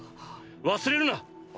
忘れるな！